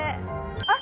あっ！